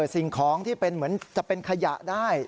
สิ่งของที่เป็นเหมือนจะเป็นขยะได้